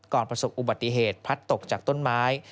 ประสบอุบัติเหตุพัดตกจากต้นไม้